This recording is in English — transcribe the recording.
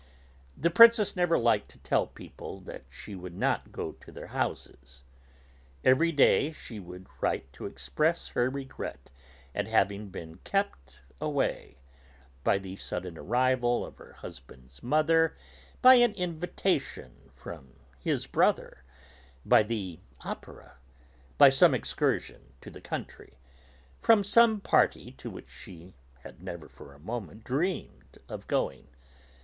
The Princess never liked to tell people that she would not go to their houses. Every day she would write to express her regret at having been kept away by the sudden arrival of her husband's mother, by an invitation from his brother, by the Opera, by some excursion to the country from some party to which she had never for a moment dreamed of going.